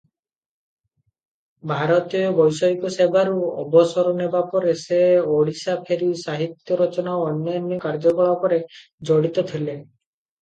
ଭାରତୀୟ ବୈଦେଶିକ ସେବାରୁ ଅବସର ନେବା ପରେ ସେ ଓଡ଼ିଶା ଫେରି ସାହିତ୍ୟ ରଚନା ଏବଂ ଅନ୍ୟାନ୍ୟ କାର୍ଯ୍ୟକଳାପରେ ଜଡ଼ିତ ଥିଲେ ।